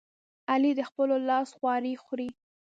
علي د خپل لاس خواري خوري.